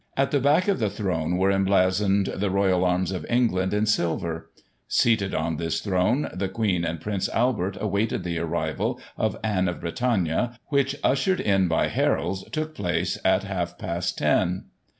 At the back of the throne were emblazoned the Royal Arms of England in silver. Seated on this throne, the Queen and Prince Albert awaited the arrival of Anne Digiti ized by Google i88 GOSSIP. [1842 of Bretagne, which, ushered in by heralds, took place at half past ten.